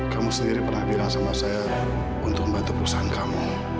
kamu sendiri pernah bilang sama saya untuk membantu perusahaan kamu